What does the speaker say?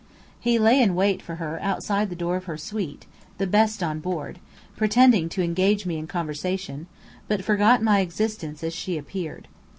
He lay in wait for her outside the door of her suite (the best on board), pretending to engage me in conversation, but forgot my existence as she appeared.